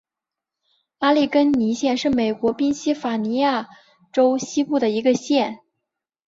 阿利根尼县是美国宾夕法尼亚州西部的一个县。